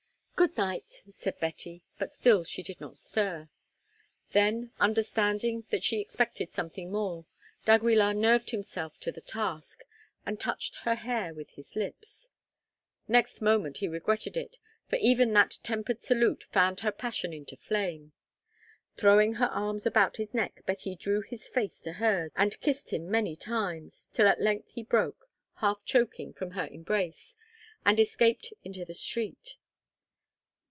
"Good night," said Betty, but still she did not stir. Then, understanding that she expected something more, d'Aguilar nerved himself to the task, and touched her hair with his lips. Next moment he regretted it, for even that tempered salute fanned her passion into flame. Throwing her arms about his neck Betty drew his face to hers and kissed him many times, till at length he broke, half choking, from her embrace, and escaped into the street.